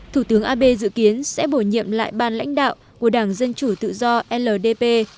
thủ tướng abe dự kiến sẽ bổ nhiệm lại ban lãnh đạo của đảng dân chủ tự do ldp